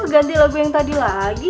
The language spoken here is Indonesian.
ganti lagu yang tadi lagi